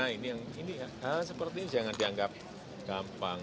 nah ini hal seperti ini jangan dianggap gampang